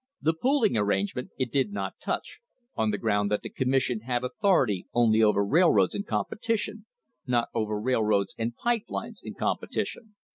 The pooling arrange ment it did not touch, on the ground that the Commission had authority only over railroads in competition, not over rail roads and pipe lines in competition.